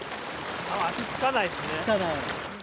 足、つかないですね。